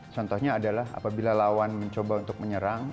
contohnya adalah apabila lawan mencoba untuk menyerang